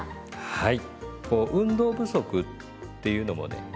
はい。